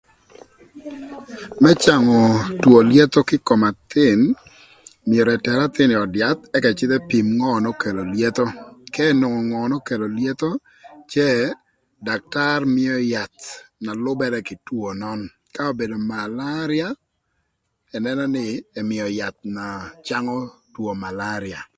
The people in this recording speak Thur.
Më cangö two lyetho kï kom athïn myero eter athïn ï öd yath ëk ëcïdh epim ënën ngö n'okelo lyetho, K'enwongo ngö n'okelo lyetho cë daktar mïö yath na lübërë kï two nön ka obedo malaria ënënö nï ëmïö yath na cangö two malaria.